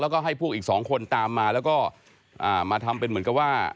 แล้วก็ให้พวกอีกสองคนตามมาแล้วก็มาทำเป็นเหมือนกับว่า